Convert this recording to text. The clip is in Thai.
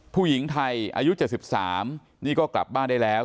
ผู้หญิงไทยอายุ๗๓นี่ก็กลับบ้านได้แล้ว